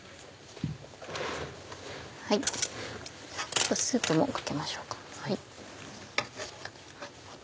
ちょっとスープもかけましょうか。